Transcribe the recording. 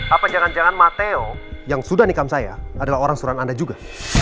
apa jangan jangan mateo yang sudah nikam saya adalah orang suruhan anda juga